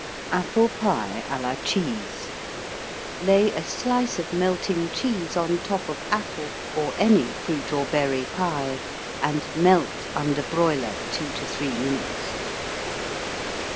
Apple Pie á la Cheese Lay a slice of melting cheese on top of apple (or any fruit or berry) pie, and melt under broiler 2 to 3 minutes.